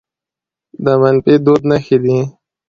د منفي دود نښې دي